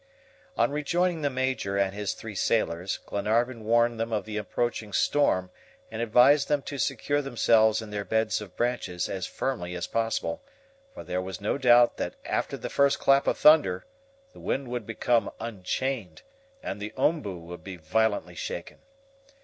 On rejoining the Major and his three sailors, Glenarvan warned them of the approaching storm, and advised them to secure themselves in their beds of branches as firmly as possible, for there was no doubt that after the first clap of thunder the wind would become unchained, and the OMBU would be violently shaken.